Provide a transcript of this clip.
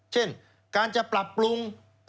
เช่นการจะปรับปรุง